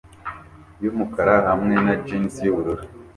yumukara hamwe na jans yubururu